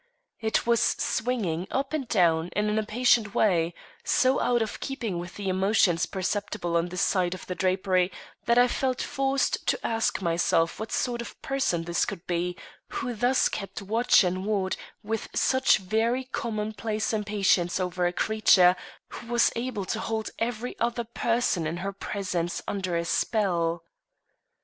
It was swinging up and down in an impatient way, so out of keeping with the emotions perceptible on this side of the drapery that I felt forced to ask myself what sort of person this could be who thus kept watch and ward with such very commonplace impatience over a creature who was able to hold every other person in her presence under a spell.